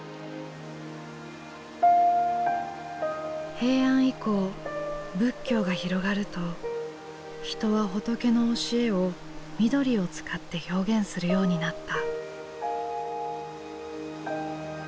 平安以降仏教が広がると人は仏の教えを緑を使って表現するようになった。